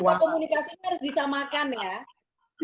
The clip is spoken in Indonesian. bahkan komunikasinya harus bisa makan ya